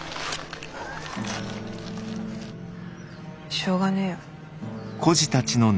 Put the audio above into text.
しょうがねえよ。